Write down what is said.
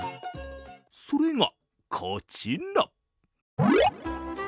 それがこちら。